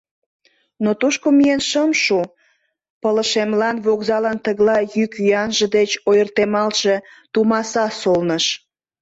Но тушко миен шым шу, пылышемлан вокзалын тыглай йӱк-йӱанже деч ойыртемалтше тумаса солныш.